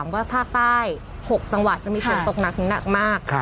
ว่าภาคใต้๖จังหวัดจะมีเตือนตกนักหนักมาก